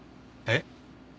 えっ？